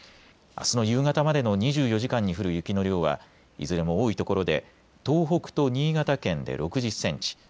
あすの夕方までの２４時間に降る雪の量はいずれも多い所で東北と新潟県で６０センチ